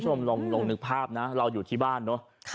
คุณผู้ชมลองนึกภาพนะเราอยู่ที่บ้านเนอะ